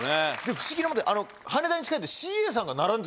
不思議なもんで羽田に近いんで。